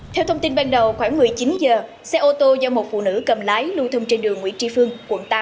theo thông tin ban đầu khoảng một mươi chín h xe ô tô do một phụ nữ cầm lái lưu thông trên đường nguyễn tri phương quận tám